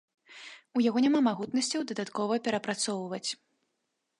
У яго няма магутнасцяў дадаткова перапрацоўваць.